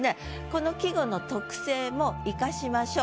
この季語の特性も生かしましょう。